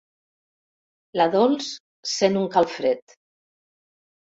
La Dols sent un calfred.